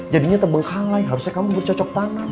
jadinya terbengkalai harusnya kamu bercocok tanam